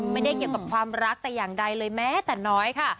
ไม่ได้เกี่ยวกับความรักแต่อย่างใดเลยแม้แต่น้อยค่ะ